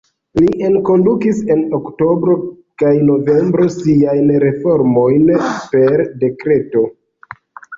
Li enkondukis en oktobro kaj novembro siajn reformojn per dekreto.